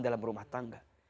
dalam rumah tangga